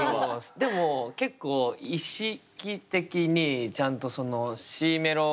でも結構意識的にちゃんとそのＣメロ。